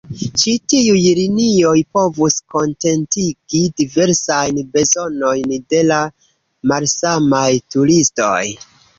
Ĉi tiuj linioj povus kontentigi diversajn bezonojn de la malsamaj turistoj.